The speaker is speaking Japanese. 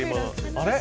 あれ？